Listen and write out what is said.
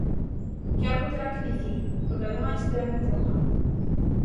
Que algo terá que dicir, porque ademais terá que informar.